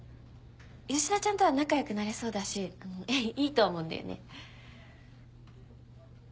吉田ちゃんとは仲良くなれそうだしあのいいと思うんだよね。